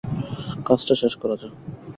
কাজটা শেষ করা যাক।